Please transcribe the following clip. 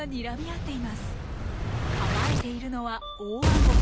構えているのは大アゴ。